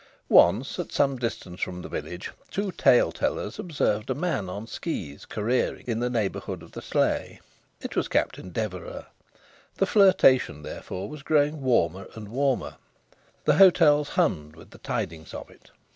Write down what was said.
Once, at some distance from the village, two tale tellers observed a man on skis careering in the neighbourhood of the sleigh. It was Captain Deverax. The flirtation, therefore, was growing warmer and warmer. The hotels hummed with the tidings of it.